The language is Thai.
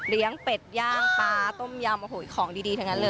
เป็ดย่างปลาต้มยำโอ้โหของดีทั้งนั้นเลย